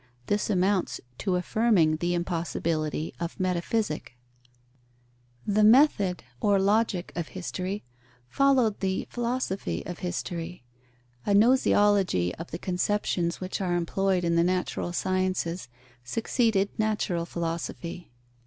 This amounts to affirming the impossibility of metaphysic. The Method or Logic of history followed the Philosophy of history; a gnoseology of the conceptions which are employed in the natural sciences succeeded natural philosophy.